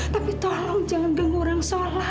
tapi tolong jangan ganggu orang salah